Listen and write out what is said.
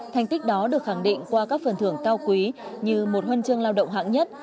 thành tích đó được khẳng định qua các phần thưởng cao quý như một huân chương lao động hạng nhất